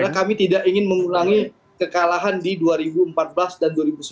karena kami tidak ingin mengulangi kekalahan di dua ribu empat belas dan dua ribu sembilan belas